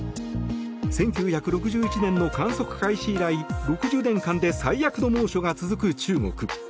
１９６１年の観測開始以来６０年間で最悪の猛暑が続く中国。